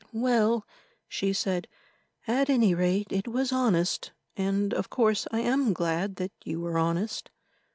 "Well," she said, "at any rate it was honest, and of course I am glad that you were honest."